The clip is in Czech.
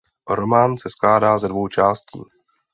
Román se skládá ze dvou částí.